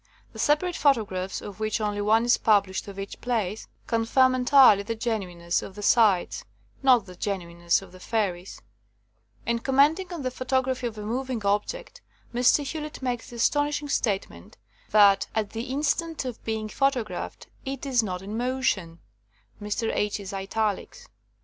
The separate photo graphs, of which only one is published of each place, confirm entirely the genuineness 89 THE COMING OF THE FAIRIES of the sites — not the genuineness of the fairies. ''In commenting on the photography of a moving object, Mr. Hewlett makes the as tonishing statement that at the instant of being photographed it is not in motion (Mr. H. 's italics) .